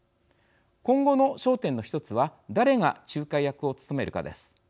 今後の焦点の一つは誰が仲介役を務めるかです。